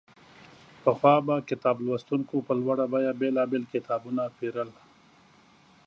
پخوا به کتاب لوستونکو په لوړه بیه بېلابېل کتابونه پېرل.